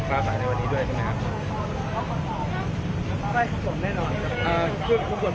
เราแล้วก็อีกกว่าที่เพื่อนอีก๑๑คน